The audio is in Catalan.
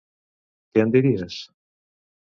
Què en diries?